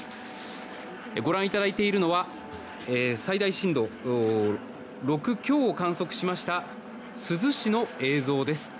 ご覧いただいているのは最大震度６強を観測しました珠洲市の映像です。